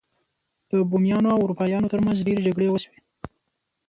د بومیانو او اروپایانو ترمنځ ډیرې جګړې وشوې.